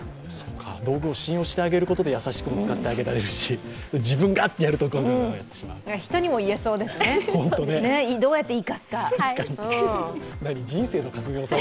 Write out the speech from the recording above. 道具を信用してあげることで、優しく使ってあげることもできるし自分がってやると、駄目になってしまう。